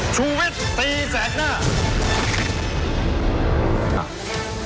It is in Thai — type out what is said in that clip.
ชุวิตตีแห่ง